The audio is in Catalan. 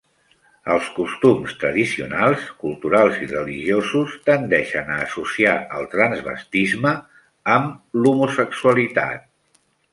Els costums tradicionals, culturals i religiosos tendeixen a associar el transvestisme amb l'homosexualitat.